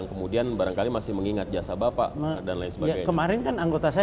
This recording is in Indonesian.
kemarin kan anggota saya